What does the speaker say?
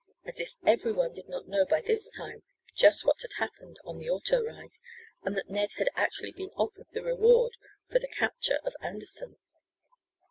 as if everyone did not know by this time just what had happened on the auto ride, and that Ned had actually been offered the reward for the capture of Anderson.